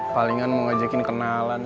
palingan mau ngajakin kenalan